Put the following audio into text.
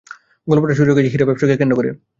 গল্পটা শুরু হয়েছে হীরা ব্যবসাকে কেন্দ্র করে।